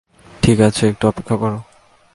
ঠিক আছে, একটু অপেক্ষা করো।